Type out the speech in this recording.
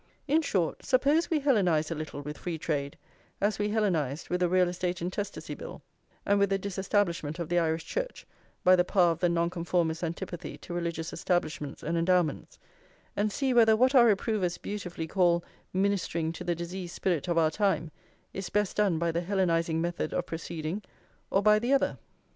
In short, suppose we Hellenise a little with free trade, as we Hellenised with the Real Estate Intestacy Bill, and with the disestablishment of the Irish Church by the power of the Nonconformists' antipathy to religious establishments and endowments, and see whether what our reprovers beautifully call ministering to the diseased spirit of our time is best done by the Hellenising method of proceeding, or by the other.